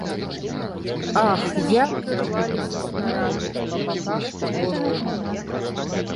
Ах, як ірваліся снарады па баках таго рову!